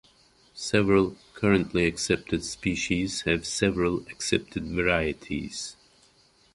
Several currently accepted species have several accepted varieties.